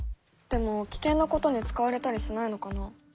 でも危険なことに使われたりしないのかな？